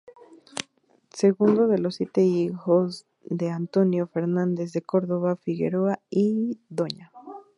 Segundo de los siete hijos de D. Antonio Fernández de Córdoba Figueroa y Dña.